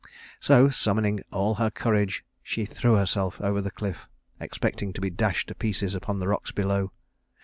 So, summoning all her courage, she threw herself over the cliff, expecting to be dashed to pieces upon the rocks below.